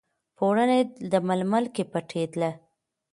پوړني، د ململ کې پټیدله